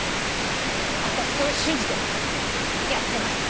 私それ信じてるからねやってますよ。